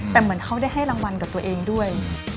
แต่เหมือนเขาได้ให้รางวัลกับตัวเองด้วย